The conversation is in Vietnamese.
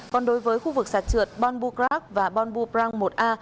còn đối với khu vực sạt trượt bon bù crac và bon bù prang một a